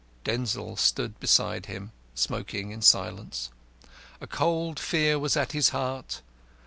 Denzil stood beside him, smoking in silence. A cold fear was at his heart.